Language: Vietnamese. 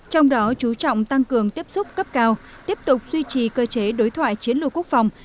trong đó chú trọng tăng cường tiếp xúc cấp cao tiếp tục duy trì cơ chế đối thoại chiến lược quốc phòng